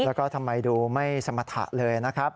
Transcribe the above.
แล้วก็ทำไมดูไม่สมรรถะเลยนะครับ